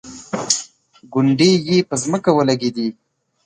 ګونډې یې په ځمکه ولګېدې.